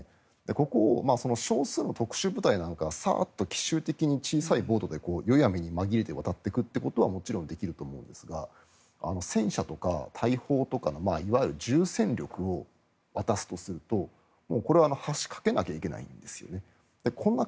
ここを少数の特殊部隊なのかさっと奇襲的に小さいボートで夜闇に紛れて渡っていくというのはもちろんできると思うんですが戦車とか大砲とかのいわゆる重戦力を渡すとするとこれは橋を架けないといけないんです。